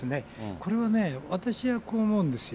これはね、私はこう思うんですよ。